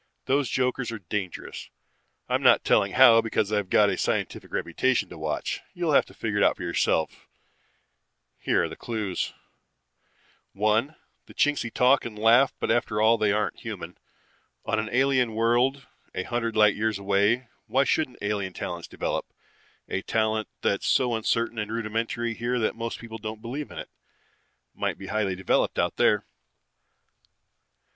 Those jokers are dangerous. I'm not telling how because I've got a scientific reputation to watch. You'll have to figure it out for yourselves. Here are the clues: (1) The Chingsi talk and laugh but after all they aren't human. On an alien world a hundred light years away, why shouldn't alien talents develop? A talent that's so uncertain and rudimentary here that most people don't believe it, might be highly developed out there.